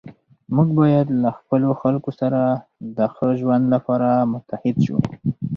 موږ باید له خپلو خلکو سره د ښه ژوند لپاره متحد شو.